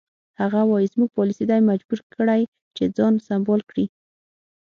هغه وایي زموږ پالیسي دی مجبور کړی چې ځان سمبال کړي.